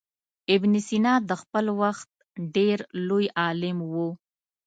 ابن سینا د خپل وخت ډېر لوی عالم و.